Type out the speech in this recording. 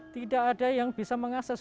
tidak ada yang bisa mengakses